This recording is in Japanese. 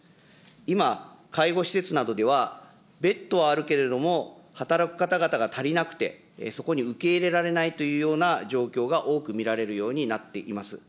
今、介護施設などでは、ベッドはあるけれども、働く方々が足りなくて、そこに受け入れられないというような状況が多く見られるようになっています。